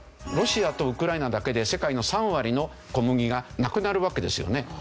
ロシアとウクライナだけで世界の３割の小麦がなくなるわけですよね。